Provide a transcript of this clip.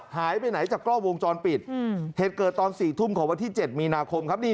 หายไปไหนจากกล้องวงจรปิดเหตุเกิดตอน๔ทุ่มของวันที่๗มีนาคมครับ